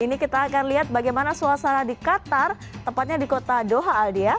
ini kita akan lihat bagaimana suasana di qatar tepatnya di kota doha aldia